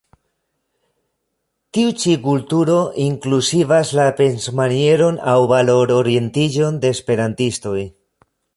Tiu ĉi kulturo inkluzivas la pensmanieron aŭ valor-orientiĝon de esperantistoj.